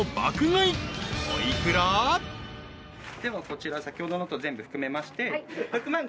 こちら先ほどのと全部含めまして。